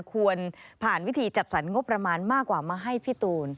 ควรผ่านวิธีจัดสรรงบประมาณมากกว่ามาให้พี่ตูน